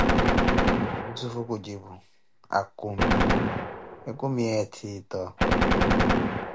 Yussufu khujipu: akumi, ekumi ya ettiito.